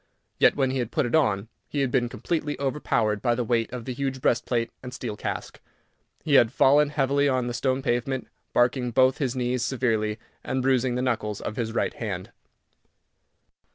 Yet when he had put it on, he had been completely overpowered by the weight of the huge breastplate and steel casque, and had fallen heavily on the stone pavement, barking both his knees severely, and bruising the knuckles of his right hand.